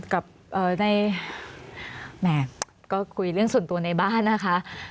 กับในแหมก็คุยเรื่องส่วนตัวในบ้านนะคะ